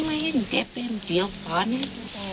ไม่เห็นเก็บไปเวียงดีกว่า